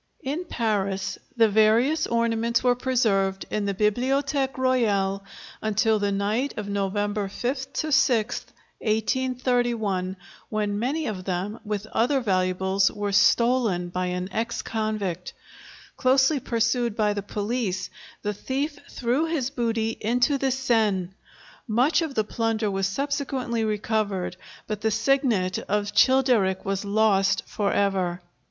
] In Paris the various ornaments were preserved in the Bibliothèque Royale until the night of November 5 6, 1831, when many of them, with other valuables, were stolen by an ex convict. Closely pursued by the police, the thief threw his booty into the Seine; much of the plunder was subsequently recovered, but the signet of Childeric was lost for ever.